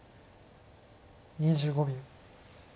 ２５秒。